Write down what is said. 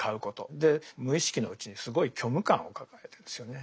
で無意識のうちにすごい虚無感を抱えてるんですよね。